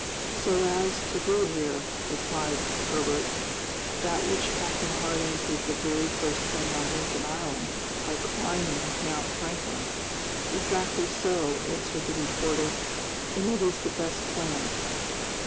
"So as to do here," replied Herbert, "that which Captain Harding did the very first thing on Lincoln Island, by climbing Mount Franklin." "Exactly so," answered the reporter, "and it is the best plan."